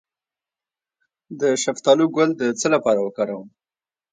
د شفتالو ګل د څه لپاره وکاروم؟